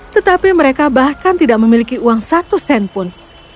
tetapi mereka bahkan tidak memiliki uang satu sen pun